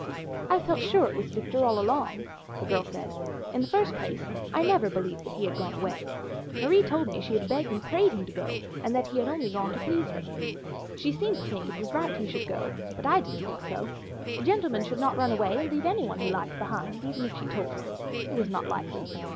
"I felt sure it was Victor all along," the girl said. "In the first place, I never believed that he had gone away. Marie told me she had begged and prayed him to go, and that he had only gone to please her. She seemed to think it was right he should go, but I didn't think so. A gentleman would not run away and leave anyone he liked behind, even if she told him. It was not likely.